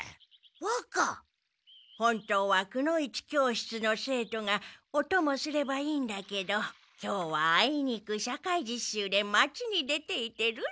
本当はくの一教室の生徒がおともすればいいんだけど今日はあいにく社会実習で町に出ていてるすなの。